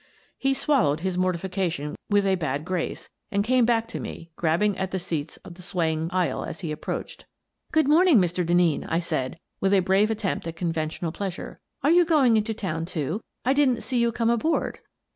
He swallowed his mortification with a bad grace and came back to me, grabbing at the seats of the swaying aisle as he approached. " Good morning, Mr. Denneen," I said, with a brave attempt at conventional pleasure. " Are you going into town, too? I didn't see you come aboard."